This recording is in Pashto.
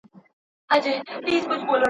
چي ما وويني پر بله لار تېرېږي.